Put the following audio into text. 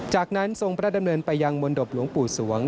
จากนั้นทรงพระดำเนินไปยังมนตบหลวงปู่สวง